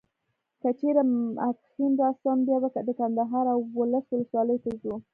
که چیري ماپښین راسم بیا به د کندهار و اولس ولسوالیو ته ځو.